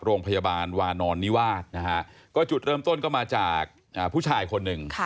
โรงพยาบาลวานอนนิวาสนะฮะก็จุดเริ่มต้นก็มาจากผู้ชายคนหนึ่ง